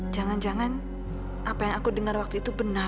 jangan jangan apa yang aku dengar waktu itu benar